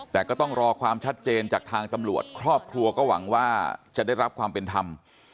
แต่ก็ต้องรอความชัดเจนจากทางตำรวจครอบครัวก็หวังว่าจะได้รับความเป็นธรรม